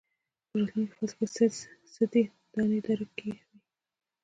په راتلونکي فصل کې څه دي دا نه درک کوئ.